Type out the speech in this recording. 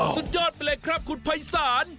สุดยอดไปเลยครับคุณภัยศาล